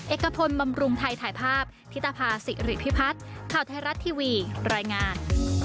เอกพลบำรุงไทยถ่ายภาพธิตภาษิริพิพัฒน์ข่าวไทยรัฐทีวีรายงาน